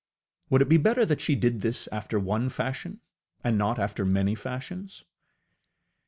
Would it be better that she did this after one fashion and not after many fashions?